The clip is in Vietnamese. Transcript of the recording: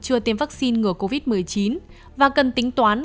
chưa tiêm vaccine ngừa covid một mươi chín và cần tính toán